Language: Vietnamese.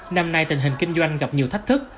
năm nay tình hình kinh doanh gặp nhiều thách thức